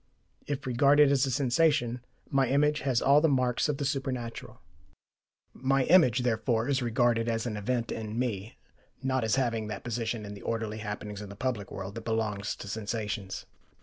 If regarded as a sensation, my image has all the marks of the supernatural. My image, therefore, is regarded as an event in me, not as having that position in the orderly happenings of the public world that belongs to sensations.